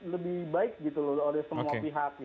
lebih baik gitu loh